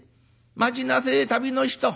待ちなせえ旅の人。